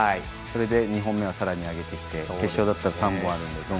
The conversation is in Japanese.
それで２本目はさらに上げてきて決勝は３本あるので。